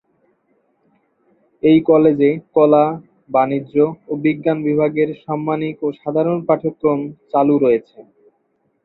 এই কলেজে কলা, বাণিজ্য ও বিজ্ঞান বিভাগে সাম্মানিক ও সাধারণ পাঠক্রম চালু রয়েছে।